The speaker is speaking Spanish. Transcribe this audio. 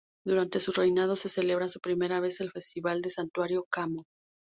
Durante su reinado, se celebra por primera vez el Festival del Santuario Kamo.